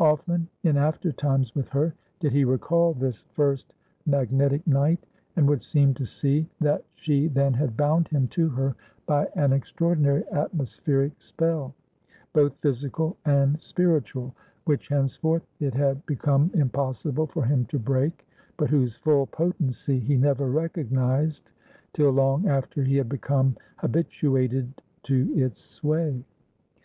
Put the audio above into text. Often, in after times with her, did he recall this first magnetic night, and would seem to see that she then had bound him to her by an extraordinary atmospheric spell both physical and spiritual which henceforth it had become impossible for him to break, but whose full potency he never recognized till long after he had become habituated to its sway.